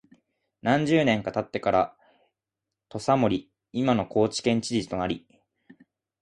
何十年か経ってから土佐守（いまの高知県知事）となり、